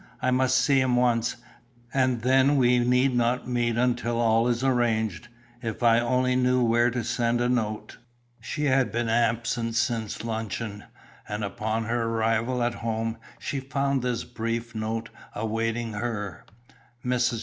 "I must see him once, and then we need not meet until all is arranged. If I only knew where to send a note." She had been absent since luncheon, and upon her arrival at home she found this brief note awaiting her: "MRS.